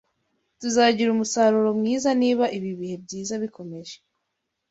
Tuzagira umusaruro mwiza niba ibi bihe byiza bikomeje.